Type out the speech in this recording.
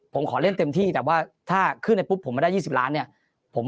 ผมขอเล่นเต็มที่แต่ว่าถ้าขึ้นไปปุ๊บผมไม่ได้๒๐ล้านเนี่ย